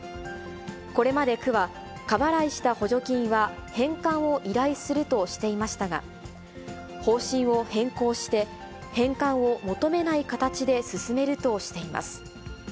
これまで区は、過払いした補助金は返還を依頼するとしていましたが、方針を変更して、返還を求めない形で進めるとしています。